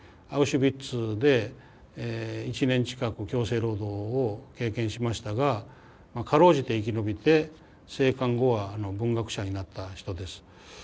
アウシュビッツで１年近く強制労働を経験しましたが辛うじて生き延びて生還後は文学者になった人です。